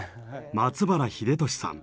松原英俊さん。